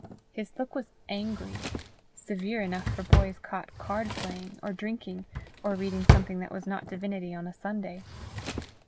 His look was angry severe enough for boys caught card playing, or drinking, or reading something that was not divinity on a Sunday.